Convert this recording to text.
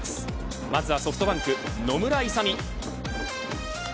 まずはソフトバンク、野村勇